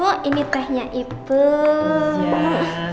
mbak andin maaf itu hapenya ada yang telepon